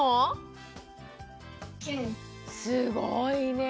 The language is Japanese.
すごいね。